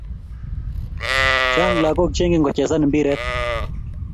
Chang lakok che ingen kochezan mpiret